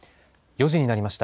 ４時になりました。